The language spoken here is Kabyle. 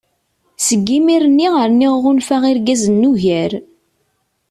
Seg yimir-nni rniɣ ɣunfaɣ irgazen ugar.